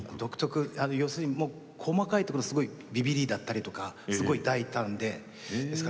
要するに細かいところすごいびびりだったりとかすごい大胆で。